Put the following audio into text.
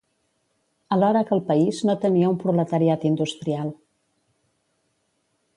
Alhora que el país no tenia un proletariat industrial.